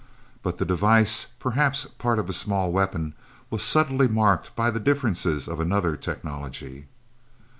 But the device, perhaps part of a small weapon, was subtly marked by the differences of another technology.